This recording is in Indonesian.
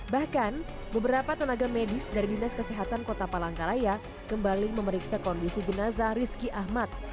bahkan beberapa tenaga medis dari dinas kesehatan kota palangkaraya kembali memeriksa kondisi jenazah rizky ahmad